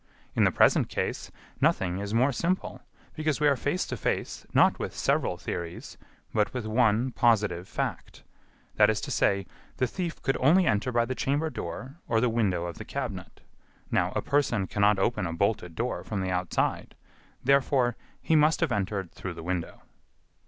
In the present case, nothing is more simple, because we are face to face, not with several theories, but with one positive fact, that is to say: the thief could only enter by the chamber door or the window of the cabinet. Now, a person cannot open a bolted door from the outside. Therefore, he must have entered through the window."